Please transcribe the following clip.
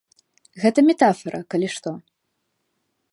Гэта метафара, калі што.